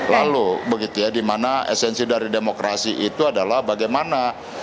lalu begitu ya dimana esensi dari demokrasi itu adalah bagaimana